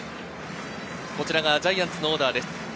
ジャイアンツのオーダーです。